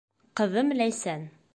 Ҡыҙым Ләйсән